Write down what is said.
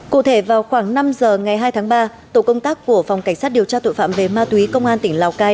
cụ thể vào khoảng năm giờ ngày hai tháng ba tổ công tác của phòng cảnh sát điều tra tội phạm về ma túy công an tỉnh lào cai